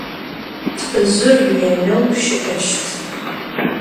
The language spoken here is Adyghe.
Lh'ızjır rêneu şı'eşt.